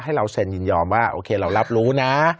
เราเซ็นยินยอมว่าโอเคเรารับรู้นะ